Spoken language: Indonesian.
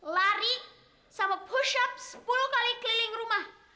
lari sama push up sepuluh kali keliling rumah